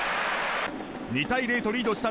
２対０とリードした